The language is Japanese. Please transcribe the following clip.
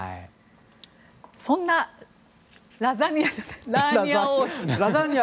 そんなラザニア。